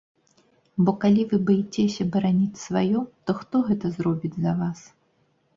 Бо калі вы баіцеся бараніць сваё, то хто гэта зробіць за вас?